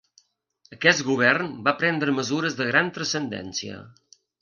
Aquest govern va prendre mesures de gran transcendència.